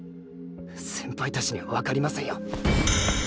先輩達にはわかりませんよ！